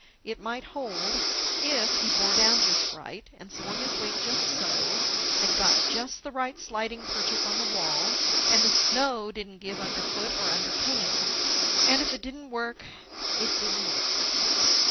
It might hold, if he bore down just right, and swung his weight just so, and got just the right sliding purchase on the wall, and the snow didn't give underfoot or undercane. And if it didn't work it didn't work.